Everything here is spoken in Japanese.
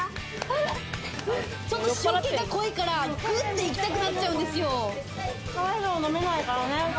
ちょっと塩気が濃いから、グッていきたくなっちゃうんですよ。